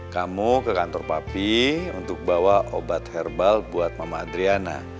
kamu ke kantor papi untuk bawa obat herbal buat mama adriana